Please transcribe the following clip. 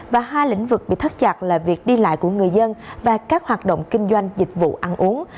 và hai lĩnh vực bị thắt chặt là việc đi lại của người dân và các hoạt động kinh doanh dịch vụ ăn uống